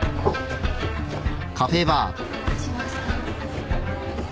お待たせしました。